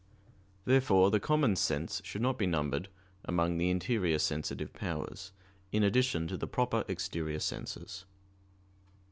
Therefore the common sense should not be numbered among the interior sensitive powers, in addition to the proper exterior senses.